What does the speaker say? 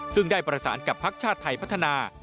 ซึ่งได้ประสานกับพักชาติไทยพัฒนา